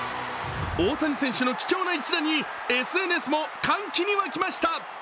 大谷選手の貴重な一打にＳＮＳも歓喜に沸きました。